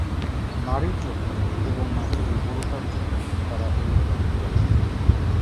নারীর জন্য এবং মাঠের উর্বরতার জন্য তারা এই ধর্ম চর্চা করত।